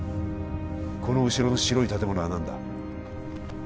この後ろの白い建物は何だ？